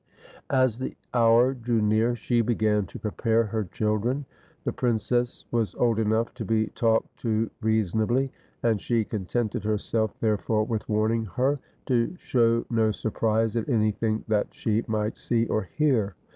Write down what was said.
As the hour drew near, she began to prepare her chil dren. The princess was old enough to be talked to rea sonably, and she contented herself therefore with warn ing her to show no surprise at anything that she might see or hear.